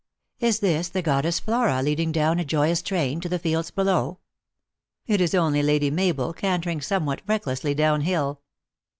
Is this the goddess Flora leading down a joyous train /to the fields below? It is only Lady Mabel cantering some what recklessly down hill.